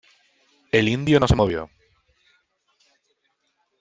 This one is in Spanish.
el indio no se movió.